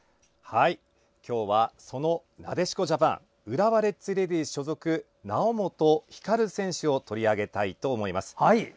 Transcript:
今日はその、なでしこジャパン浦和レッズレディース所属猶本光選手を取り上げたいと思います。